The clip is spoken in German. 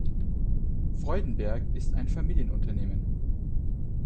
Freudenberg ist ein Familienunternehmen.